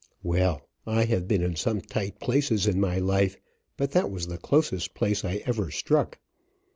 Well, I have been in some tight places in my life, but that was the closest place I ever struck.